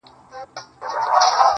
څنگه دي هېره كړمه.